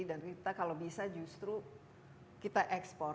dan kita kalau bisa justru kita ekspor